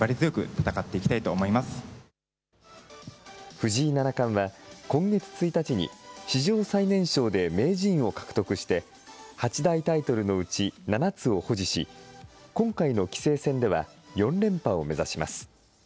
藤井七冠は、今月１日に、史上最年少で名人を獲得して、八大タイトルのうち７つを保持し、今回の棋聖戦では４連覇を目指します。